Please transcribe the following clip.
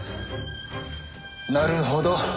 なるほど。